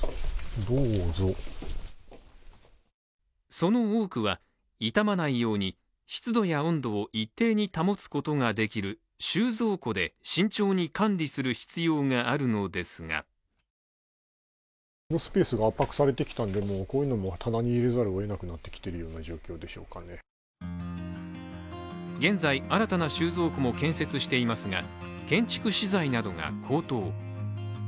その多くは、傷まないように湿度や温度を一定に保つことができる収蔵庫で慎重に管理する必要があるのですが現在、新たな収蔵庫も建設していますが建築資材などが高騰。